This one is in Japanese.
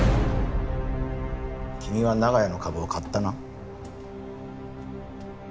君は長屋の株を買ったな？